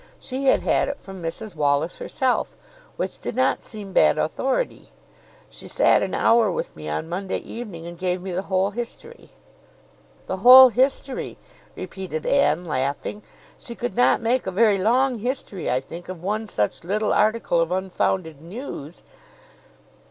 She had had it from Mrs Wallis herself, which did not seem bad authority. She sat an hour with me on Monday evening, and gave me the whole history." "The whole history," repeated Anne, laughing. "She could not make a very long history, I think, of one such little article of unfounded news."